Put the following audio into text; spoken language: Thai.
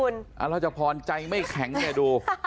รัชพรใจไม่แข็งเนี่ยดู